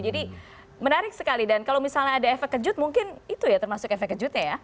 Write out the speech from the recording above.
jadi menarik sekali dan kalau misalnya ada efek kejut mungkin itu ya termasuk efek kejutnya ya